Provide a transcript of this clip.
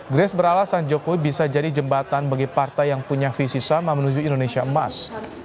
grace beralasan jokowi bisa jadi jembatan bagi partai yang punya visi sama menuju indonesia emas